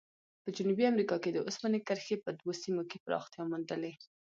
په جنوبي امریکا کې د اوسپنې کرښې په دوو سیمو کې پراختیا موندلې.